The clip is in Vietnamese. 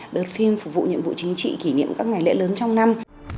đợt phim phục vụ nhiệm vụ chính trị kỷ niệm các ngày lễ lớn trong năm